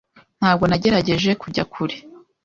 Ntabwo nagerageje kujya kure.